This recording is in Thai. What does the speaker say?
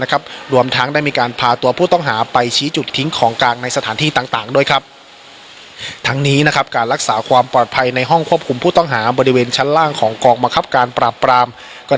ครับข้อคุมผู้ต้องหาบริเวณชั้นล่างของกองคอมมะครับการปราบปราม